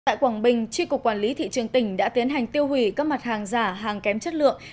tại quảng bình tri cục quản lý thị trường tỉnh đã tiến hành tiêu hủy các mặt hàng giả hàng kém chất lượng